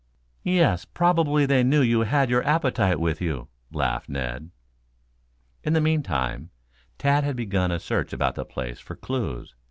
"Yes. Probably they knew you had your appetite with you," laughed Ned. In the meantime Tad had begun a search about the place for clues.